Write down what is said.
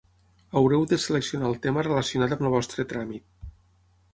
Haureu de seleccionar el tema relacionat amb el vostre tràmit.